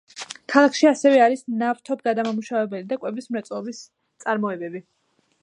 ქალაქში ასევე არის ნავთობგადამამუშავებელი და კვების მრეწველობის წარმოებები.